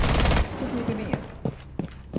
Тут мой кабинет.